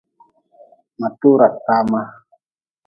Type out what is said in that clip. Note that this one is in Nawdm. Ma tora tama.